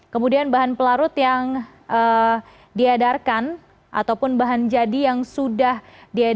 kemudian bahan pelarut yang diedarkan ataupun bahan jadi yang sudah di